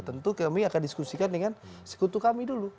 tentu kami akan diskusikan dengan sekutu kami dulu